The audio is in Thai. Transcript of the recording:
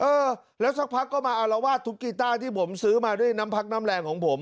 เออแล้วสักพักก็มาอารวาสทุกกีต้าที่ผมซื้อมาด้วยน้ำพักน้ำแรงของผม